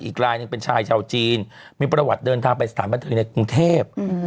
อีกลายหนึ่งเป็นชายชาวจีนมีประวัติเดินทางไปสถานบันเทิงในกรุงเทพ